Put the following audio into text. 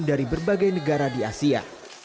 dari berbagai negara di asia